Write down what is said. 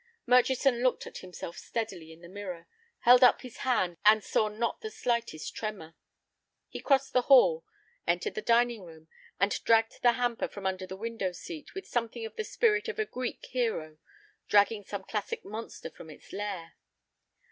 Murchison looked at himself steadily in the mirror, held up his hand, and saw not the slightest tremor. He crossed the hall, entered the dining room, and dragged the hamper from under the window seat with something of the spirit of a Greek hero dragging some classic monster from its lair.